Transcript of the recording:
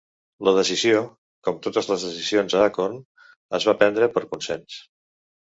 La decisió, com totes les decisions a Acorn, es va prendre per consens.